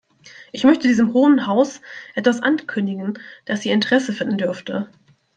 Ich möchte diesem Hohen Haus etwas ankündigen, das Ihr Interesse finden dürfte.